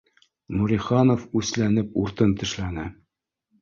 Нуриханов үсләнеп уртын тешләне